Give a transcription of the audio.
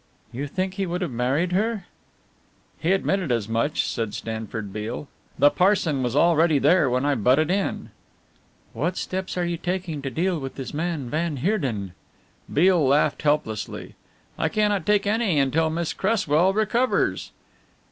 "You think he would have married her?" "He admitted as much," said Stanford Beale, "the parson was already there when I butted in." "What steps are you taking to deal with this man van Heerden?" Beale laughed helplessly. "I cannot take any until Miss Cresswell recovers."